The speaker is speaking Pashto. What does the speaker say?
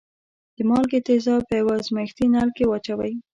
د مالګې تیزاب په یوه ازمیښتي نل کې واچوئ.